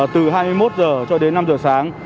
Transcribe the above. từ hai mươi một h cho đến năm h sáng